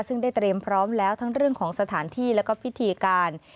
ซึ่งได้เตรียมพร้อมแล้วทั้งเรื่องของสถานที่แล้วก็พิธีการ